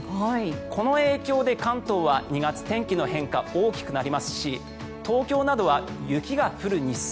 この影響で関東は２月、天気の変化が大きくなりますし、東京などは雪が降る日数